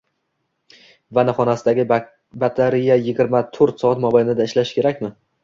Vanna xonasidagi batareya yigirma to'rt soat mobaynida ishlashi kerakmi?